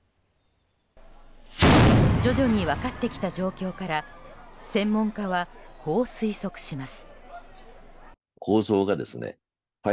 徐々に分かってきた状況から専門家はこう推測します。